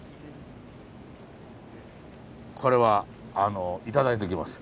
これは頂いときます。